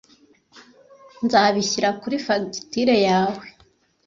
Nzabishyira kuri fagitire yawe